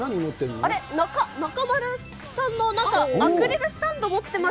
あれ、中丸さんのなんか、アクリルスタンド、持ってます。